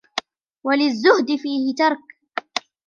وَلِلزُّهْدِ فِيهِ تَرْكٌ